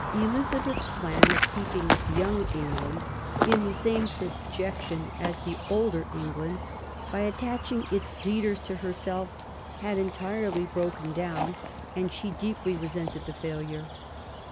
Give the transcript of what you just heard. Elizabeth's plan of keeping young Eng land in the same subjection as ther older England, by attaching its leaders to herself, had entirely broken down, and she deeply resented the failure.